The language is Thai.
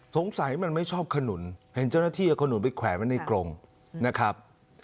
สงสัยมันไม่ชอบขนุนเห็นเจ้าหน้าที่เอาขนุนไปแขวนไว้ในกรงนะครับ